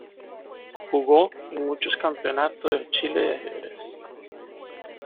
Jugó en muchos Campeonato de Chile de ajedrez.